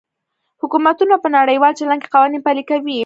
حکومتونه په نړیوال چلند کې قوانین پلي کوي